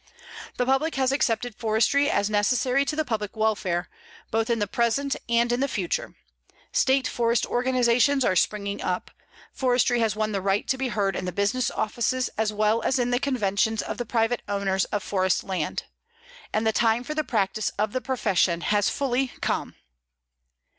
The public has accepted forestry as necessary to the public welfare, both in the present and in the future; State forest organizations are springing up; forestry has won the right to be heard in the business offices as well as in the conventions of the private owners of forest land; and the time for the practice of the profession has fully come.